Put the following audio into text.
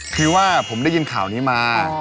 คือว่าผมได้ยินข่าวนี้มา